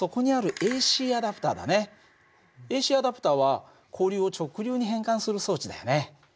ＡＣアダプターは交流を直流に変換する装置だよね。